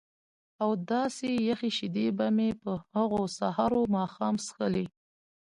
او داسې یخې شیدې به مې په هغو سهار و ماښام څښلې.